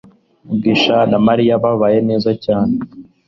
mugisha na Mariya babanye neza cyane